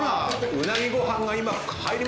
うなぎご飯が今入りました。